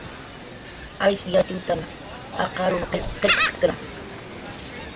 Aysh yatxutan jaqarunw qillq qillqt'ktna